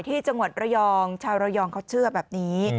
ที่จังหวัดระยองชาวระยองเขาเชื่อแบบนี้